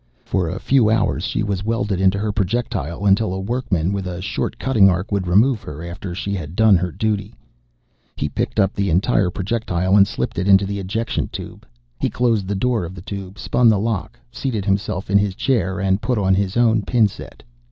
For a few hours, she was welded into her projectile until a workman with a short cutting arc would remove her after she had done her duty. He picked up the entire projectile and slipped it into the ejection tube. He closed the door of the tube, spun the lock, seated himself in his chair, and put his own pin set on.